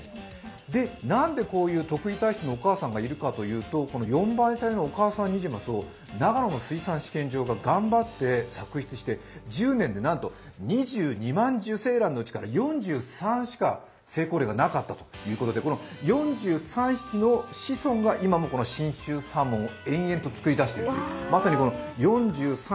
で、なんでこういう特異体質のお母さんがいるかというと四倍体のお母さんニジマスを長野の水産試験場が頑張って作出して１０年でなんと２２万受精卵のうちから４３しか成功例がなかったということで、この４３匹の子孫が今も信州サーモンを延々と作り出しているという。